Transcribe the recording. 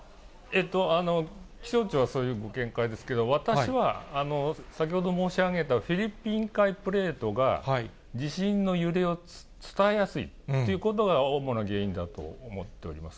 気象庁はそういうご見解ですけど、私は先ほど申し上げた、フィリピン海プレートが、地震の揺れを伝えやすいということが、主な原因だと思っております。